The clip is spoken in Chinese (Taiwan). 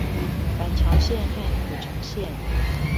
板橋線和土城線